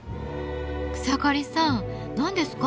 草刈さん何ですか？